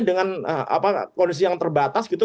dengan kondisi yang terbatas gitu